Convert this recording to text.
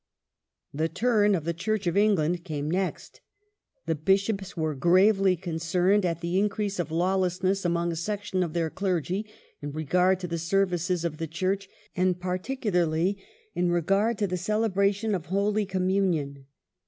The turn of the Church of England came next. The Bishops The Pub were gi'avely concerned at the increase of lawlessness among a l^.^^'^" section of their clergy in regard to the services of the Church and lation Act particularly in regard to the celebration of Holy Communion.